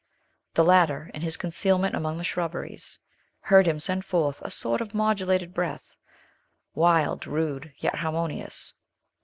The latter, in his concealment among the shrubberies, heard him send forth a sort of modulated breath, wild, rude, yet harmonious.